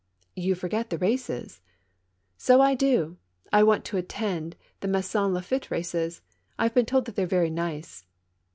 " You forget the races." "So I do! I want to attend the Maisons Lafntte races. I've been told that they're very nice."